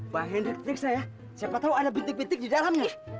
bahan elektrik saya siapa tahu ada bitik bitik di dalamnya